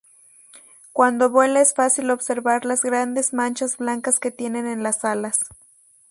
Cuando vuela es fácil observar las grandes manchas blancas que tiene en las alas.